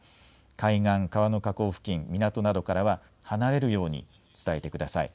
海岸、川の河口付近、港などからは離れるように伝えてください。